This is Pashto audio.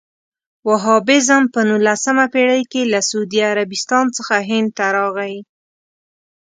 وهابیزم په نولسمه پېړۍ کې له سعودي عربستان څخه هند ته راغی.